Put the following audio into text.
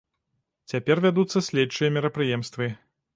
Цяпер вядуцца следчыя мерапрыемствы.